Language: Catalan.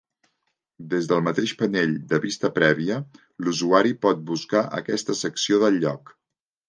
Des del mateix panell de vista prèvia, l'usuari pot buscar aquesta secció del lloc.